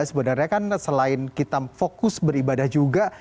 sebenarnya kan selain kita fokus beribadah juga